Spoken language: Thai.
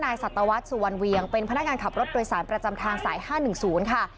สัตวรรษสุวรรณเวียงเป็นพนักงานขับรถโดยสารประจำทางสาย๕๑๐ค่ะ